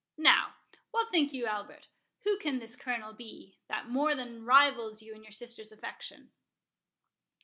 —Now, what think you, Albert—who can this Colonel be, that more than rivals you in your sister's affection?"